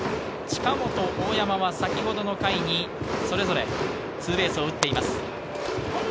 近本、大山は先ほどの回にそれぞれツーベースを打っています。